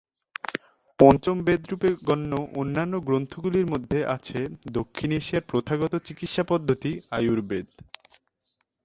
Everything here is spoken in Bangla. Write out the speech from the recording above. পঞ্চম বেদ রূপে গণ্য অন্যান্য গ্রন্থগুলির মধ্যে আছে দক্ষিণ এশিয়ার প্রথাগত চিকিৎসা পদ্ধতি আয়ুর্বেদ।